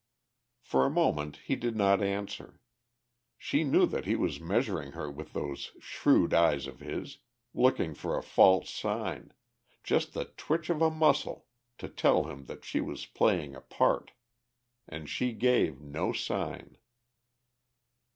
For a moment he did not answer. She knew that he was measuring her with those shrewd eyes of his, looking for a false sign, just the twitch of a muscle to tell him that she was playing a part. And she gave no sign.